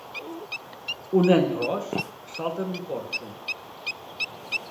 Un nen ros salta en un porxo.